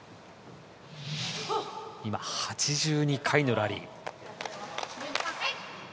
今、８２回のラリー。